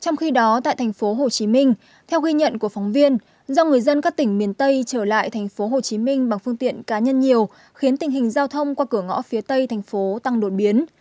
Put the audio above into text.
trong khi đó tại thành phố hồ chí minh theo ghi nhận của phóng viên do người dân các tỉnh miền tây trở lại tp hcm bằng phương tiện cá nhân nhiều khiến tình hình giao thông qua cửa ngõ phía tây thành phố tăng đột biến